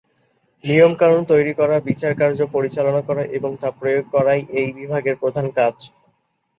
নিয়ম-কানুন তৈরি করা, বিচার কার্য পরিচালনা করা এবং তা প্রয়োগ করাই এই বিভাগের প্রধান কাজ।